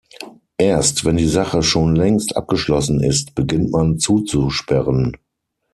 Erst, wenn die Sache schon längst abgeschlossen ist, beginnt man zuzusperren.